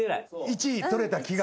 １位取れた気が。